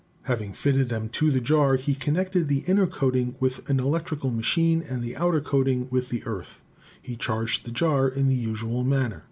Having fitted them to the jar, he connected the inner coating with an electrical machine and the outer coating with the earth and charged the jar in the usual manner.